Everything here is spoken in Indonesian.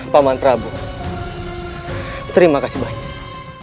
paman prabu terima kasih banyak